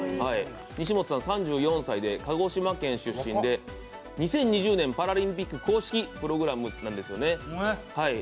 西元さん、３４歳で鹿児島県出身で２０２０年パラリンピック公式プログラムなんですよね。